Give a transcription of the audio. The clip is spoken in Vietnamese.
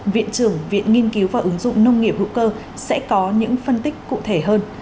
viện trưởng viện nghiên cứu và ứng dụng nông nghiệp hữu cơ sẽ có những phân tích cụ thể hơn